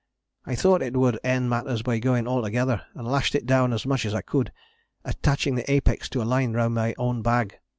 I thought it would end matters by going altogether and lashed it down as much as I could, attaching the apex to a line round my own bag.